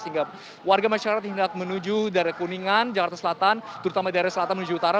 sehingga warga masyarakat yang menuju dari kuningan jakarta selatan terutama dari selatan menuju utara